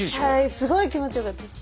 すごい気持ちよかったです。